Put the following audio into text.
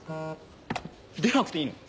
出なくていいの？